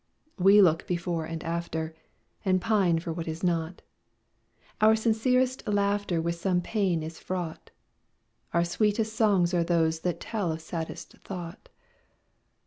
We look before and after And pine for what is not: Our sincerest laughter With some pain is fraught; Our sweetest songs are those that tell of saddest thought.